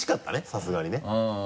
さすがにね。